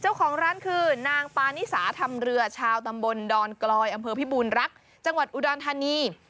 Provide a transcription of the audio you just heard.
เจ้าของร้านคือนางปานิสาธรรมเรือชาวตำบลดอนกลอยอำเภอพิบูรณรักจังหวัดอุดรธานี